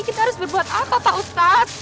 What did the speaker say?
kita harus berbuat apa pak ustadz